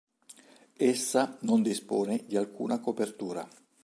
Essa non dispone di alcuna copertura.